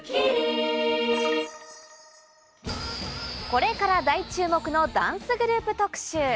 これから大注目のダンスグループ特集。